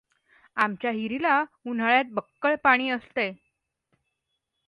आमच्या हिरीला उन्हाळ्यात बक्कळ पाणी असतंय.